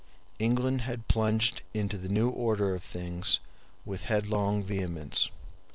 England had plunged into the new order of things with headlong vehemence.